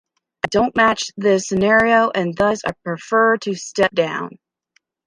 I don't match this scenario and thus I prefer to step down.